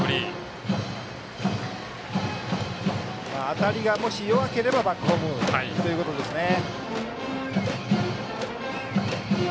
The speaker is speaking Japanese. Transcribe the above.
当たりが弱ければバックホームということですね。